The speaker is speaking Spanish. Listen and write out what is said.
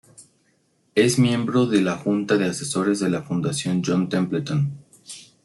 Es miembro de la junta de asesores de la Fundación John Templeton.